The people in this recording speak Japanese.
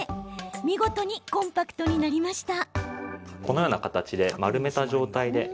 見事にコンパクトになりました。